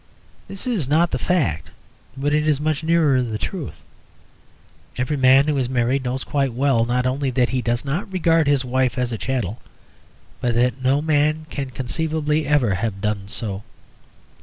This is not the fact, but it is much nearer the truth. Every man who is married knows quite well, not only that he does not regard his wife as a chattel, but that no man can conceivably ever have done so.